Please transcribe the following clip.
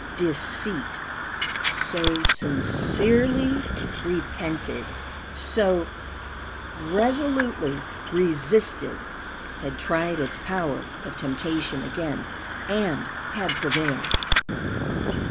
Deceit, so sincerely repented, so resolutely resisted, had tried its power of temptation again, and had prevailed.